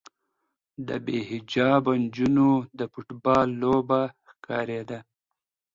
د بې حجابه نجونو د فوټبال لوبه ښکارېده.